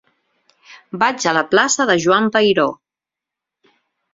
Vaig a la plaça de Joan Peiró.